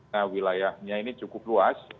nah wilayahnya ini cukup luas